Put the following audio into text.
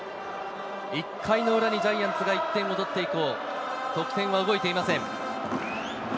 １回の裏にジャイアンツが１点を奪って以降、得点は動いていません。